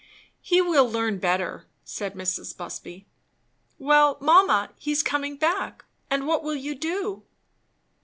"He will learn better," said Mrs. Busby. "Well, mamma, he's coming back; and what will you do?"